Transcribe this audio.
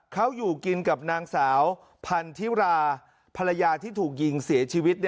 เขาอยู่กินกับนางสาวพันธิราภรรยาที่ถูกยิงเสียชีวิต